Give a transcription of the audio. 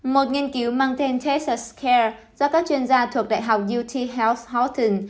một nghiên cứu mang tên texas care do các chuyên gia thuộc đại học ut health houghton